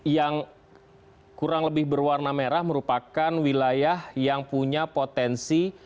yang kurang lebih berwarna merah merupakan wilayah yang punya potensi